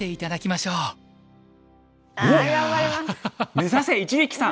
目指せ一力さん！